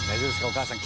お母さん。